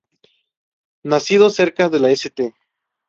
Nacido cerca de St.